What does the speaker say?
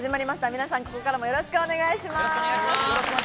皆さん、ここからもよろしくお願いします。